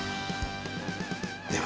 では。